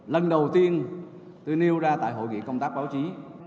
lần đầu tiên tôi nêu ra tại hội nghị công tác báo chí